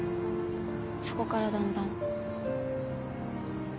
そこからだんだん。